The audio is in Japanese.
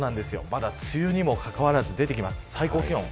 まだ梅雨にもかかわらず、出てきます。